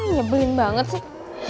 nyebelin banget sih